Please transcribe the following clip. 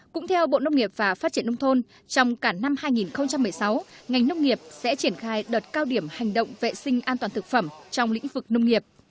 cũng theo bộ nông nghiệp và phát triển nông thôn trong cả năm hai nghìn một mươi sáu ngành nông nghiệp sẽ triển khai đợt cao điểm hành động vệ sinh an toàn thực phẩm trong lĩnh vực nông nghiệp